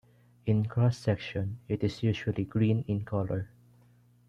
In cross section, it is usually green in color.